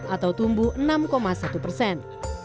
atau tumbuh enam satu persen